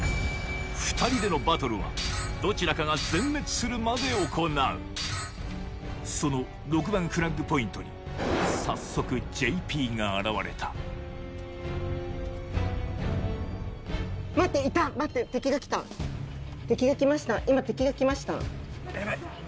２人でのバトルはどちらかが全滅するまで行うその６番フラッグポイントに早速ＪＰが現れた敵が来た敵が来ました。